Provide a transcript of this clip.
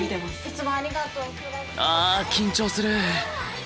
あ緊張する。